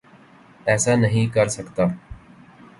ایسا نہیں کرسکتا